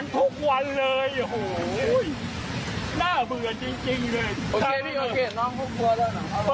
ดูเหตุการณ์ดราม่าที่เกิดขึ้นหน่อยครับ